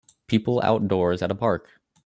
People outdoors at a park